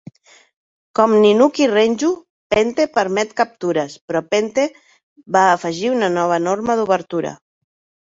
Com "ninuki-renju," Pente permet captures, però Pente va afegir una nova norma d'obertura.